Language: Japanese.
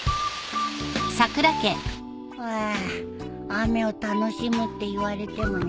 雨を楽しむって言われてもね。